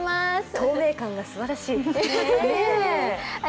透明感がすばらしい。